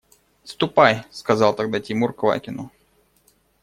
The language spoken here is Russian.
– Ступай, – сказал тогда Тимур Квакину.